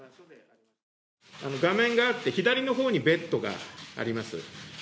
画面があって、左の方にベッドがあります。